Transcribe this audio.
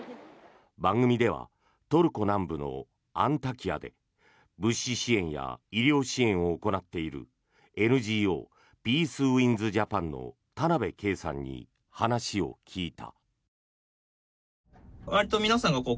番組ではトルコ南部のアンタキヤで物資支援や医療支援を行っているＮＧＯ、ピースウィンズ・ジャパンの田邊圭さんに話を聞いた。